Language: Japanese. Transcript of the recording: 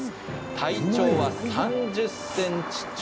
体長は３０ｃｍ超。